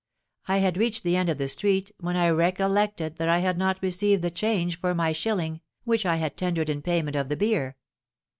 I had reached the end of the street, when I recollected that I had not received the change for my shilling, which I had tendered in payment of the beer.